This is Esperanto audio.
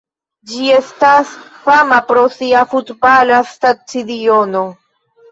Ĝi estas fama pro sia futbala stadiono.